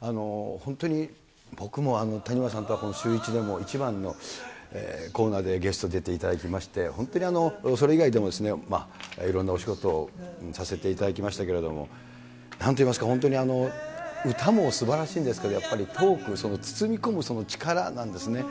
本当に僕も谷村さんとはこのシューイチのイチバンのコーナーで出ていただきまして、本当にそれ以外でもいろんなお仕事をさせていただきましたけれども、なんといいますか、本当に歌もすばらしいんですけど、やっぱりトーク、その包み込む力なんですね。